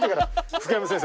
福山先生